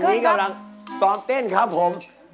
ตอนนี้กำลังซ้อมเต้นครับผม